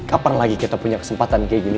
kapan lagi kita punya kesempatan kayak gini